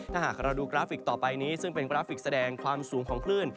ถ้าหากเราดูกราฟิกต่อไปนี้ซึ่งเป็นกราฟิกแสดงความสูงของคลื่น